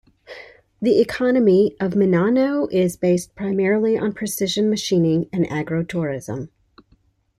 The economy of Minano is based primarily on precision machining and agro-tourism.